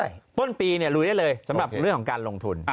ใช่ต้นปีเนี่ยลุยได้เลยสำหรับเรื่องของการลงทุน